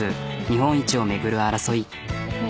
日本一を巡る争い。